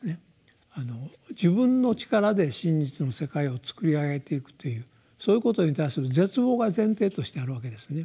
自分の力で真実の世界をつくり上げていくというそういうことに対する絶望が前提としてあるわけですね。